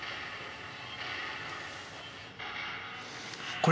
これ！